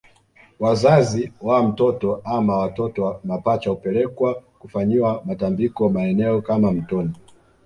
Wazazi wa mtoto ama watoto mapacha hupelekwa kufanyiwa matambiko maeneo kama mtoni